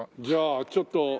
じゃあちょっと。